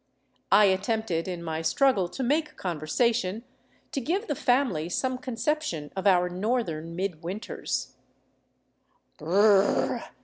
I attempted, in my struggle to make conversation, to give the family some conception of our north ern midwinters.